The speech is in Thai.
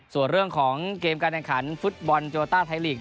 ส่วนเรื่องของเกมการแข่งขันฟุตบอลโยต้าไทยลีก